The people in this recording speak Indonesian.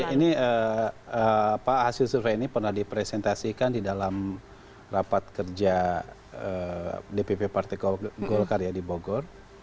ini hasil survei ini pernah dipresentasikan di dalam rapat kerja dpp partai golkar ya di bogor